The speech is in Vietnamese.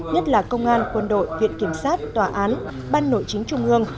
nhất là công an quân đội viện kiểm sát tòa án ban nội chính trung ương